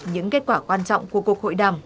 những kết quả quan trọng của cuộc hội đàm